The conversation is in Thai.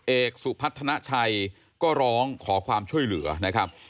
เอกสุพัฒนาชัยก็ร้องขอความช่วยเหลือนะครับ